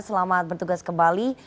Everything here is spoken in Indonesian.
selamat bertugas kembali